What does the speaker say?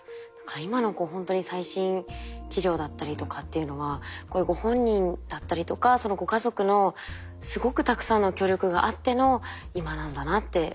今のほんとに最新治療だったりとかっていうのはこういうご本人だったりとかそのご家族のすごくたくさんの協力があっての今なんだなって思いますね。